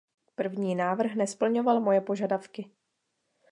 První návrh nesplňoval moje požadavky.